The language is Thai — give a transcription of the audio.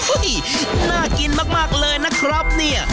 น่ากินมากเลยนะครับเนี่ย